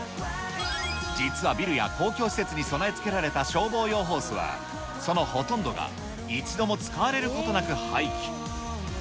実はビルや公共施設に備え付けられた消防用ホースは、そのほとんどが、一度も使われることなく廃棄。